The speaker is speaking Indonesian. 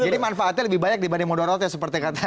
jadi manfaatnya lebih banyak dibanding modorotnya seperti katanya